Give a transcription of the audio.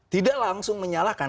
tidak langsung menyalahkan